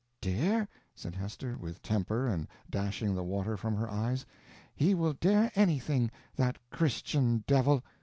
"Dare?" said Hester, with temper, and dashing the water from her eyes; "he will dare anything that Christian devil!